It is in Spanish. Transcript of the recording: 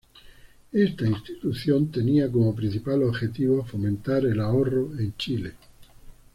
Esta institución tenía como principal objetivo, fomentar el ahorro en Chile.